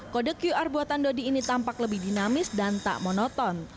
kode qr buatan dodi ini tampak lebih dinamis dan tak monoton